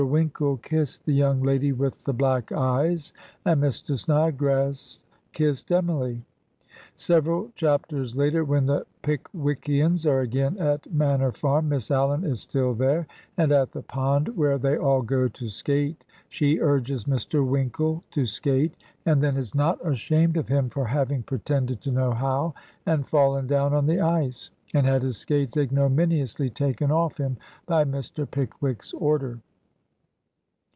Winkle kissed the young lady with the black eyes, and Mr. Snodgrass kissed Emily." Several chapters later, when the Pickwickians are again at Manor Farm, Miss Allen is still there, and at the pond where they all go to skate she urges Mr. Winkle to skate, and then is not ashamed of him for having pretended to know how, and fallen down on the ice, and had his skates ignominiously taken oflF him by Mr. Pickwick's order.